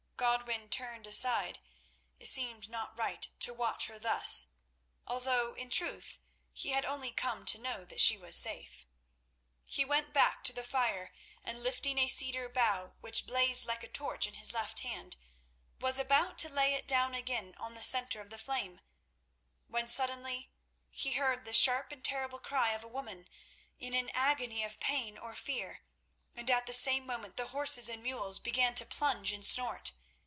Godwin turned aside; it seemed not right to watch her thus, although in truth he had only come to know that she was safe. He went back to the fire, and lifting a cedar bough, which blazed like a torch in his left hand, was about to lay it down again on the centre of the flame, when suddenly he heard the sharp and terrible cry of a woman in an agony of pain or fear, and at the same moment the horses and mules began to plunge and snort.